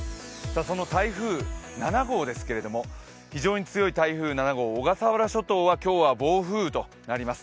その台風７号ですけれども非常に強い台風７号、小笠原諸島は今日は暴風雨となります。